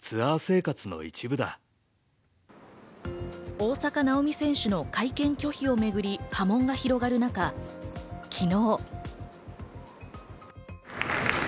大坂なおみ選手の会見拒否をめぐり、波紋が広がる中、昨日。